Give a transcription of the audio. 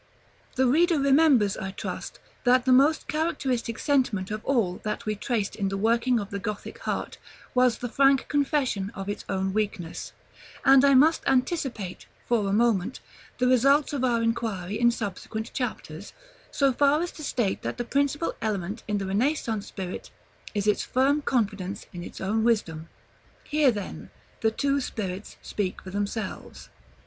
The reader remembers, I trust, that the most characteristic sentiment of all that we traced in the working of the Gothic heart, was the frank confession of its own weakness; and I must anticipate, for a moment, the results of our inquiry in subsequent chapters, so far as to state that the principal element in the Renaissance spirit, is its firm confidence in its own wisdom. Hear, then, the two spirits speak for themselves.